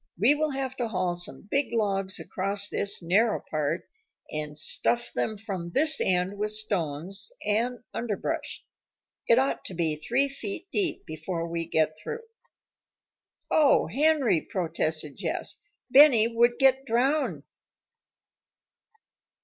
"We will have to haul some big logs across this narrow part and stuff them from this end with stones and underbrush. It ought to be three feet deep before we get through." "O Henry!" protested Jess. "Benny would get drowned."